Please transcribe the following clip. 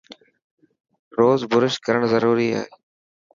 روز برش ڪرن ضروري هي.